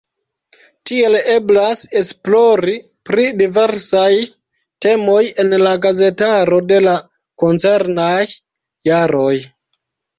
Tiel eblas esplori pri diversaj temoj en la gazetaro de la koncernaj jaroj.